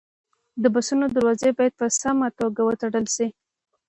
د بسونو دروازې باید په سمه توګه وتړل شي.